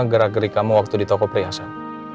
gerak gerik kamu waktu di toko pria sen